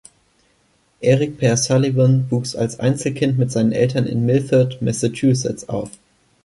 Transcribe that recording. Erik Per Sullivan wuchs als Einzelkind mit seinen Eltern in Milford, Massachusetts auf.